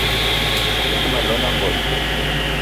Be te ma llong na Ngonj